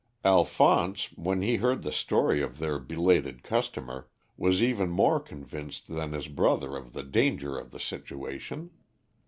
Alphonse, when he heard the story of their belated customer, was even more convinced than his brother of the danger of the situation.